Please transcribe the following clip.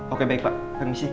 oke baik pak permisi